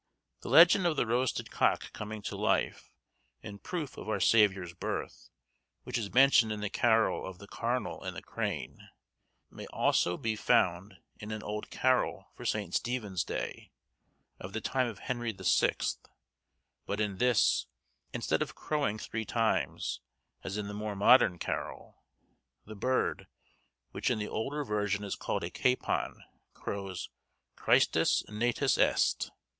The legend of the roasted cock coming to life, in proof of our Saviour's birth, which is mentioned in the carol of the 'Carnal and the Crane,' may also be found in an old carol for St. Stephen's Day, of the time of Henry the Sixth; but in this, instead of crowing three times, as in the more modern carol, the bird, which in the older version is called a capon, crows, "Christus natus est."